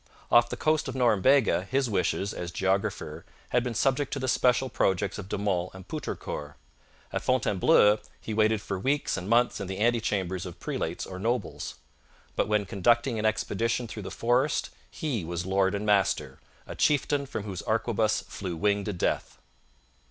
Off the coast of Norumbega his wishes, as geographer, had been subject to the special projects of De Monts and Poutrincourt. At Fontainebleau he waited for weeks and months in the antechambers of prelates or nobles. But when conducting an expedition through the forest he was lord and master, a chieftain from whose arquebus flew winged death.